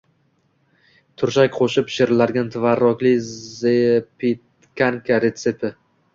Turshak qo‘shib pishiriladigan tvorogli zapekanka retsepti